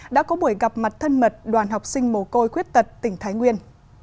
đã có buổi gặp mặt thân mật đoàn học sinh mồ côi khuyết tật tỉnh thái nguyên